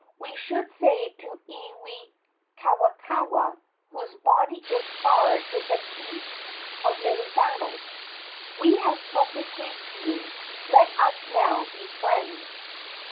We should say to Iwikauikaua, whose body is scarred with the teeth of many battles: 'We have spoken hastily; let us now be friends!'"